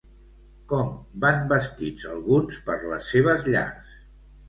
Com van vestits alguns per les seves llars?